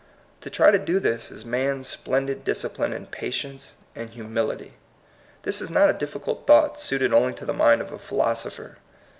To try to do this is man's splendid discipline in patience and humility. This is not a difficult thought, suited only to the mind of a philosopher.